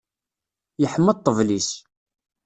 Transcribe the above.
Yeḥma ṭṭbel-is.